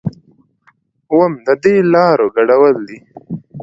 اووم ددې لارو ګډول دي.